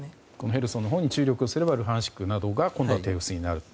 ヘルソンに注力すればルハンシクなどが今度は手薄になると。